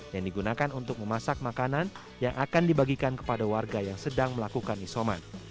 yang digunakan untuk memasak makanan yang akan dibagikan kepada warga yang sedang melakukan isoman